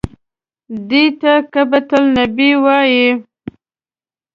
دې ته قبة النبي وایي.